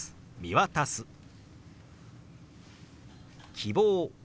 「希望」。